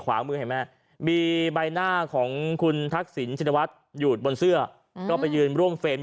ขวามือเห็นไหมมีใบหน้าของคุณทักษิณชินวัฒน์อยู่บนเสื้อก็ไปยืนร่วมเฟรม